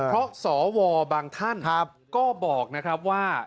เพราะสวบางท่านก็บอกว่า